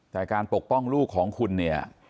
แต่การปกป้องลูกของคุณเนี่ย